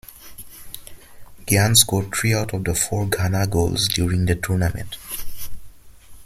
Gyan scored three out of the four Ghana goals during the tournament.